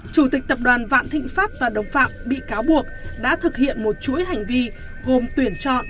chủ tịch tập đoàn vạn thịnh pháp và đồng phạm bị cáo buộc đã thực hiện một chuỗi hành vi gồm tuyển chọn